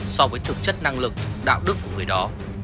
so với thực chất năng lực đạo đức của người đó